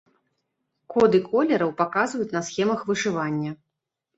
Коды колераў паказваюць на схемах вышывання.